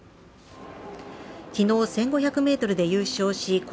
昨日１５００ｍで優勝し好